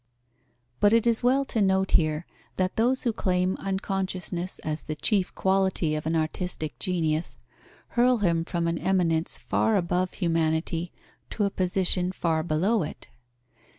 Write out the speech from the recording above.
But it is well to note here, that those who claim unconsciousness as the chief quality of an artistic genius, hurl him from an eminence far above humanity to a position far below it.